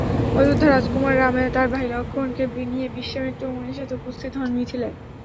অযোধ্যার রাজকুমার রাম তার ভাই লক্ষ্মণ কে নিয়ে বিশ্বামিত্র মুনির সাথে উপস্থিত হন মিথিলায়।